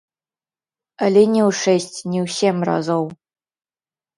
Але не ў шэсць, не ў сем разоў.